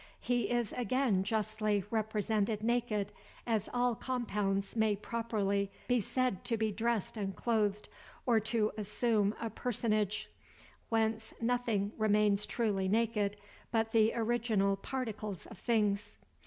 He is again justly represented naked; as all compounds may properly be said to be dressed and clothed, or to assume a personage; whence nothing remains truly naked, but the original particles of things.